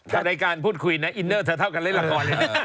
รายการพูดคุยนะอินเนอร์เธอเท่ากันเล่นละคร